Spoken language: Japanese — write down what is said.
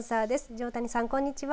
条谷さんこんにちは。